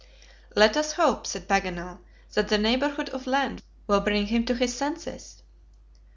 "Let us hope," said Paganel, "that the neighborhood of land will bring him to his senses."